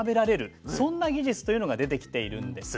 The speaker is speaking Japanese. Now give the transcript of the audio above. そんな技術というのが出てきているんです。